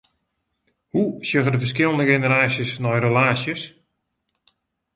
Hoe sjogge de ferskillende generaasjes nei relaasjes?